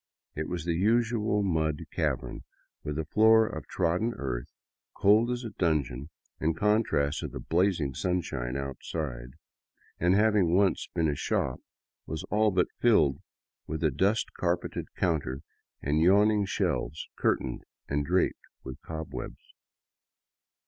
It was the usual mud cavern, with a floor of trodden earth, cold as a dungeon in contrast to the blazing sunshine outside, and, having once been a shop, was all but filled with a dust carpeted counter and yawning shelves curtained and draped with cobwebs.